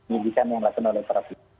nugikan yang laksanalah tersebut